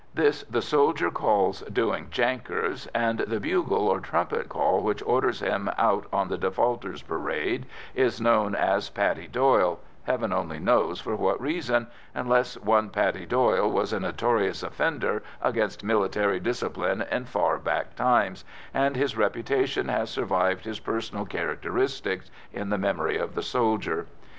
This the soldier calls "doing jankers," and the bugle or trumpet call which orders him out on the defaulters' parade is known as "Paddy Doyle" heaven only knows for what reason, unless one Paddy Doyle was a notorious offender against military discipline in far back times, and his reputation has survived his personal characteristics in the memory of the soldier.